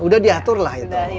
sudah diatur lah itu